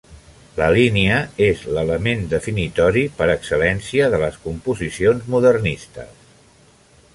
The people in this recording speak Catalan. La línia és l’element definitori per excel·lència de les composicions modernistes.